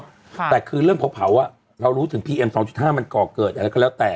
ค่ะแต่คือเรื่องเผาอ่ะเรารู้ถึงพีเอ็มสองจุดห้ามันก่อเกิดอะไรก็แล้วแต่